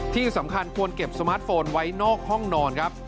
ที่สำคัญควรเก็บสมาร์ทโฟนไว้นอกห้องนอนครับ